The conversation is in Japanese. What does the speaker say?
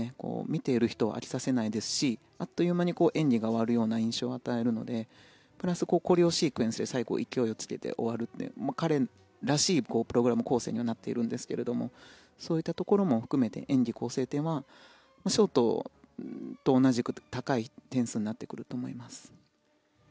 見ている人を飽きさせないですしあっという間に演技が終わる印象を与えるのでプラス、コレオシークエンスで最後、勢いをつけて終わるという彼らしいプログラム構成にはなっているんですがそういったところも含めて演技構成点はショートと同じく高い点数になってくると思います。